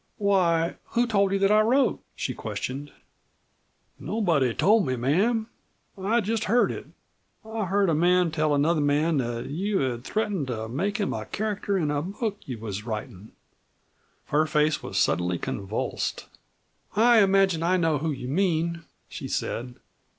"Why, who told you that I wrote?" she questioned. "Nobody told me, ma'am. I just heard it. I heard a man tell another man that you had threatened to make him a character in a book you was writin'." Her face was suddenly convulsed. "I imagine I know whom you mean," she said.